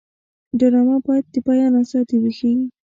ډرامه باید د بیان ازادي وښيي